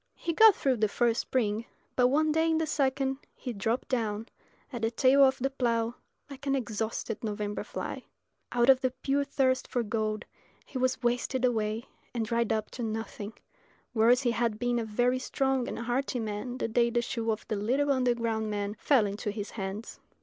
He got through the first spring; but one day in the second he dropped down at the tail of the plough like an exhausted November fly. Out of the pure thirst for gold he was wasted away and dried up to nothing, whereas he had been a very strong and hearty man the day the shoe of the little underground man fell into his hands.